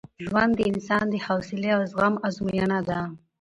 ژوند د انسان د حوصلې او زغم ازموینه ده.